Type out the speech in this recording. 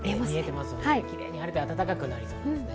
キレイに晴れて暖かくなりそうですね。